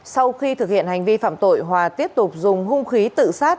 sau khi thực hiện hành vi phạm tội hòa tiếp tục dùng hung khí tự sát